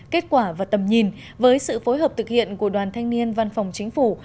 kết quả và tầm nhìn với sự phối hợp thực hiện của đoàn thanh niên văn phòng chính phủ